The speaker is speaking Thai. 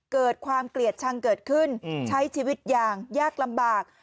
เกิดความเกลียดชังเกิดขึ้นใช้ชีวิตอย่างยากลำบาก